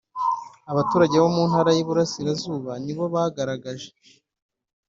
Abaturage bo mu ntara y Iburasirazuba nibo bagaragaje